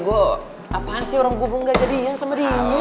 gue apaan sih orang gubung ga jadian sama dia